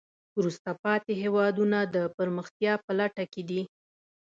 وروسته پاتې هېوادونه د پرمختیا په لټه کې دي.